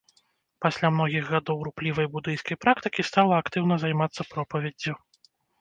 Пасля многіх гадоў руплівай будыйскай практыкі стала актыўна займацца пропаведдзю.